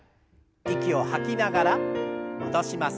息を吐きながら戻します。